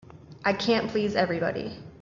I can't please everybody.